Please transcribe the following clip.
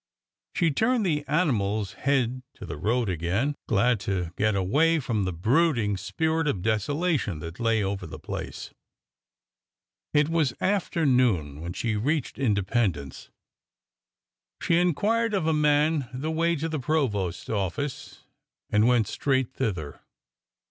She turned the animal's head to the road again, glad to get away from the brooding spirit of desolation that lay over the place. It was after noon when she reached Independence. She inquired of a man the way to the provost's office and went straight thither.